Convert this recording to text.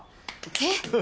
えっ。